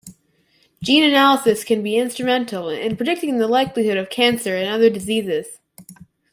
Gene analysis can be instrumental in predicting the likelihood of cancer and other diseases.